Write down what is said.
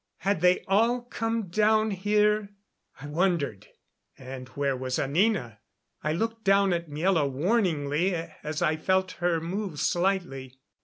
Had they all come down here? I wondered. And where was Anina? I looked down at Miela warningly as I felt her move slightly.